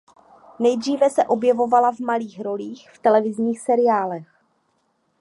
Nejdříve se objevovala v malých rolích v televizních seriálech.